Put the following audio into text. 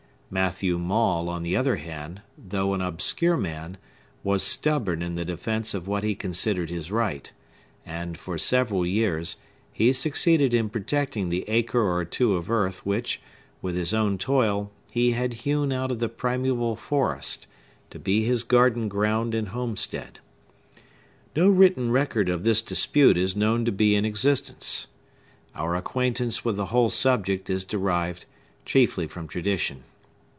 Matthew Maule, on the other hand, though an obscure man, was stubborn in the defence of what he considered his right; and, for several years, he succeeded in protecting the acre or two of earth which, with his own toil, he had hewn out of the primeval forest, to be his garden ground and homestead. No written record of this dispute is known to be in existence. Our acquaintance with the whole subject is derived chiefly from tradition.